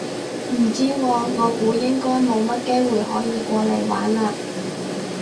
唔知喎，我估應該冇乜機會可以過嚟玩嘞